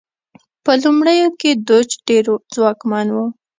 په لومړیو کې دوج ډېر ځواکمن و.